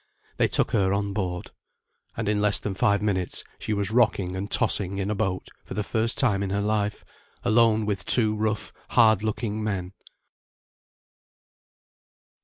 They took her on board. And in less than five minutes she was rocking and tossing in a boat for the first time in her life, alone with two rough, hard looking men.